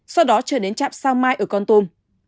sau đó trở đến chạm sao mai ở con tôm